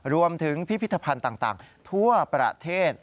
พิพิธภัณฑ์ต่างทั่วประเทศ